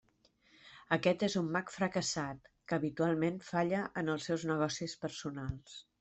Aquest és un mag fracassat que habitualment falla en els seus negocis personals.